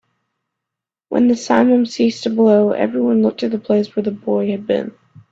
When the simum ceased to blow, everyone looked to the place where the boy had been.